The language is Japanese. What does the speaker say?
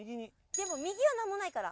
でも右はなんもないから。